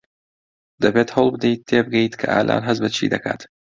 دەبێت هەوڵ بدەیت تێبگەیت کە ئالان هەست بە چی دەکات.